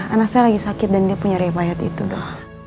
anak saya lagi sakit dan dia punya ribah yaitu dong